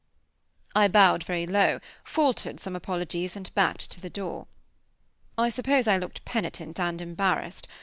I bowed very low, faltered some apologies, and backed to the door. I suppose I looked penitent, and embarrassed.